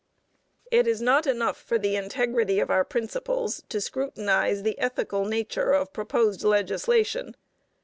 It is not enough for the integrity of our principles to scrutinize the ethical nature of proposed legislation.